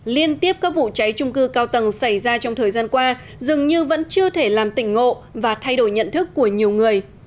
liên tiếp các vụ cháy trung cư cao tầng xảy ra trong thời gian qua dường như vẫn chưa thể làm tỉnh ngộ và thay đổi nhận thức của nhiều người